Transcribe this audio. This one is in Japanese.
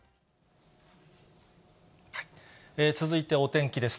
続いてお天気です。